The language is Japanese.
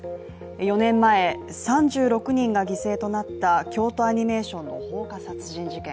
４年前、３６人が犠牲となった京都アニメーションの放火殺人事件。